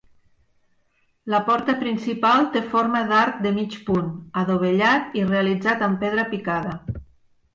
La porta principal té forma d'arc de mig punt, adovellat i realitzat amb pedra picada.